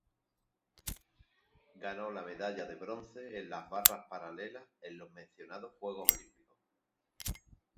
Ganó la medalla de bronce en las barras paralelas en los mencionados Juegos Olímpicos.